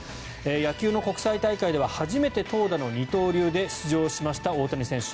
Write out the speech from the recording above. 野球の国際大会では初めて投打の二刀流で出場しました大谷選手。